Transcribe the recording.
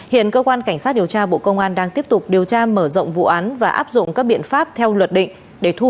hiện cơ quan cảnh sát điều tra bộ công an đang tiếp tục điều tra mở rộng vụ án và áp dụng các biện pháp theo luật định để thu hồi tài sản cho nhà nước